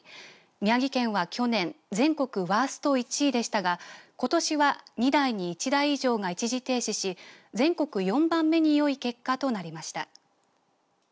宮城県は去年全国ワースト１位でしたがことしは、２台に１台以上が一時停止し全国４番目によい結果となりました。